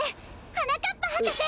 はなかっぱはかせ！